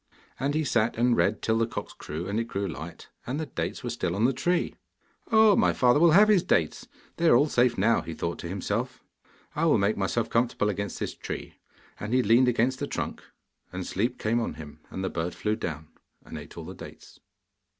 And he sat and read till the cocks crew and it grew light, and the dates were still on the tree. 'Oh my father will have his dates; they are all safe now,' he thought to himself. 'I will make myself comfortable against this tree,' and he leaned against the trunk, and sleep came on him, and the bird flew down and ate all the dates.